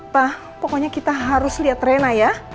pak pokoknya kita harus lihat rena ya